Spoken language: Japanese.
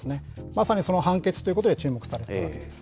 まさにその判決ということで注目されているわけです。